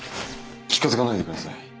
近づかないでください。